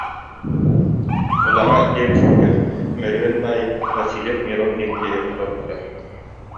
Улаҕа диэн сиргэ Мөрүөн баай-Васильев Мирон диэн киһи олорбута